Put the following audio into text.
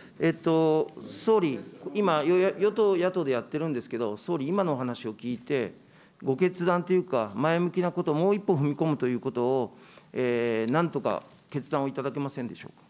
総理、今、与党、野党でやってるんですけど、総理、今のお話を聞いて、ご決断というか、前向きなこと、もう一歩踏み込むということを、なんとか決断を頂けませんでしょうか。